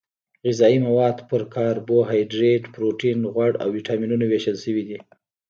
غذايي مواد په کاربوهایدریت پروټین غوړ او ویټامینونو ویشل شوي دي